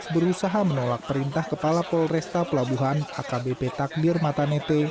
berusaha menolak perintah kepala polresta pelabuhan akbp takdir matanete